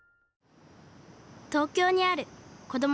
東京にある子ども